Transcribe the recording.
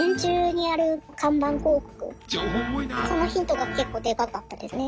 そのヒントが結構デカかったですね。